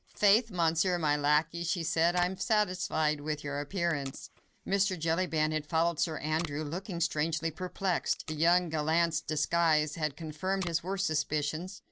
"Faith! Monsieur, my lacquey," she said, "I am satisfied with your appearance!" Mr. Jellyband had followed Sir Andrew, looking strangely perplexed. The young gallant's disguise had confirmed his worst suspicions.